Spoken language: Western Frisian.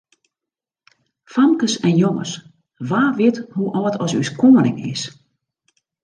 Famkes en jonges, wa wit hoe âld as ús koaning is?